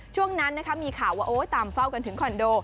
ช่วงนั้นนะครับมีข่าวว่าโอ๊ยตามเฝ้ากันถึงคอนโด